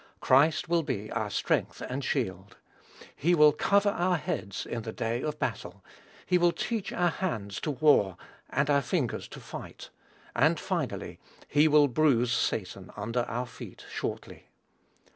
Christ will be our strength and shield. He will "cover our heads in the day of battle;" he will "teach our hands to war and our fingers to fight;" and finally "he will bruise Satan under our feet shortly."